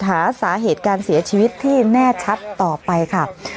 หาสาเหตุการเสียชีวิตที่แน่ชัดต่อไปค่ะ